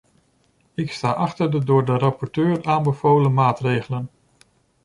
Ik sta achter de door de rapporteur aanbevolen maatregelen.